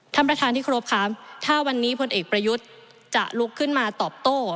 ท่านประธานที่ครบครับถ้าวันนี้พลเอกประยุทธ์จะลุกขึ้นมาตอบโต้